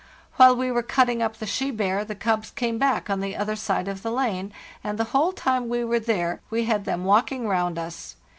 While we were cutting up the she bear the cubs came back on the other side of the lane, and the whole time we were there we had them walking round us.